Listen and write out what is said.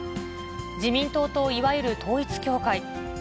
自民党といわゆる統一教会。